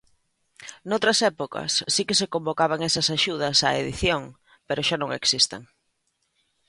Noutras épocas si que se convocaban esas axudas á edición, pero xa non existen.